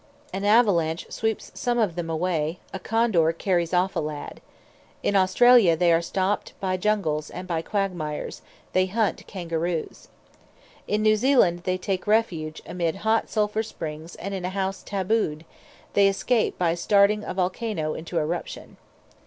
An avalanche sweeps some of them away; a condor carries off a lad. In Australia they are stopped by jungles and by quagmires; they hunt kangaroos. In New Zealand they take refuge amid hot sulphur springs and in a house "tabooed"; they escape by starting a volcano into eruption.